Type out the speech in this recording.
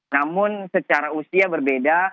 namun secara usia berbeda